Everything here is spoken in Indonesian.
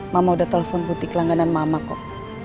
mama udah telepon putih langganan mama kok